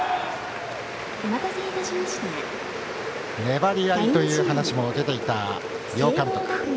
粘り合いという話も出ていた両監督。